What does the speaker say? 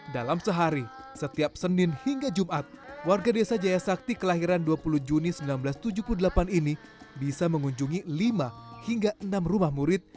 dalam sehari setiap senin hingga jumat warga desa jaya sakti kelahiran dua puluh juni seribu sembilan ratus tujuh puluh delapan ini bisa mengunjungi lima hingga enam rumah murid